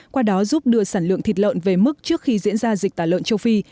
qua đó giúp đưa sản lượng thịt lợn về mức trước khi diễn ra dịch tả lợn châu phi